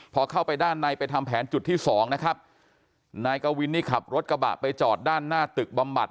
พอเข้าไปด้านในไปทำแผนจุดที่สองนะครับนายกวินนี่ขับรถกระบะไปจอดด้านหน้าตึกบำบัด